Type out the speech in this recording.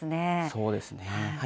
そうですね。